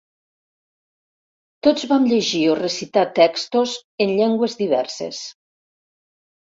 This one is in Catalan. Tots vam llegir o recitar textos en llengües diverses.